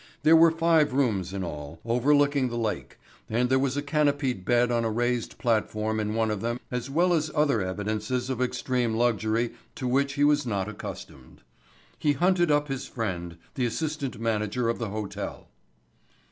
There were five rooms in all, overlooking the lake, and there was a canopied bed on a raised platform in one of them as well as other evidences of extreme luxury to which he was not accustomed. He hunted up his friend, the assistant manager of the hotel.